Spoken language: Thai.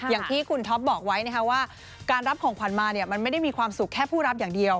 อย่างที่คุณท็อปบอกไว้นะคะว่าการรับของขวัญมาเนี่ยมันไม่ได้มีความสุขแค่ผู้รับอย่างเดียว